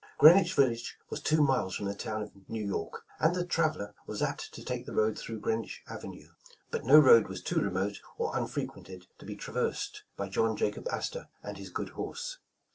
Greenwich village was two miles from the town of New York, and a traveler was apt to take the road through Greenwich avenue, but no road was too remote or unfrequented to be traversed by John Jacob Astor and his good horse.